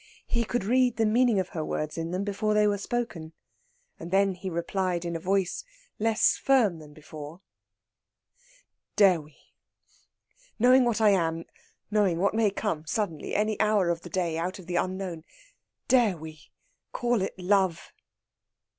He could read the meaning of her words in them before they were spoken. Then he replied in a voice less firm than before: "Dare we knowing what I am, knowing what may come suddenly, any hour of the day, out of the unknown dare we call it love?"